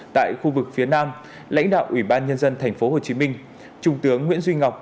tại khu vực phía nam lãnh đạo ủy ban nhân dân tp hcm trung tướng nguyễn duy ngọc